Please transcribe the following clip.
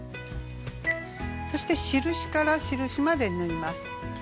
そして印から印まで縫います。